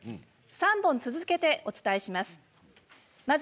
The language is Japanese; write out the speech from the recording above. ３本続けてお伝えします。